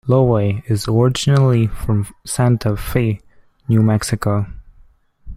Lowe is originally from Santa Fe, New Mexico.